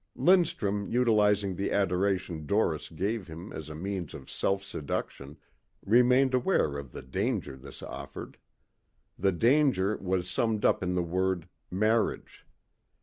Lindstrum utilizing the adoration Doris gave him as a means of self seduction, remained aware of the danger this offered. The danger was summed up in the word "marriage."